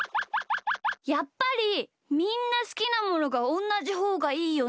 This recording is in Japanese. やっぱりみんなすきなものがおんなじほうがいいよね。